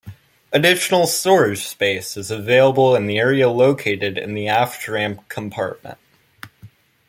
Additional stowage space is available in the area located in the aft ramp compartment.